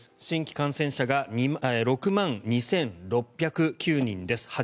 新規感染者が６万２６０９人です。